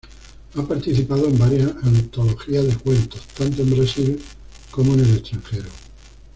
Ha participado en varias antologías de cuentos, tanto en Brasil como en el extranjero.